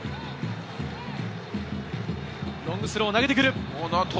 ロングスローを投げてくる。